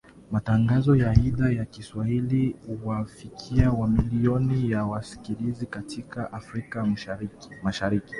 Matangazo ya Idhaa ya Kiswahili huwafikia mamilioni ya wasikilizaji katika Afrika Mashariki